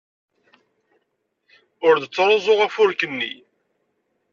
Ur d-ttruẓu afurk-nni.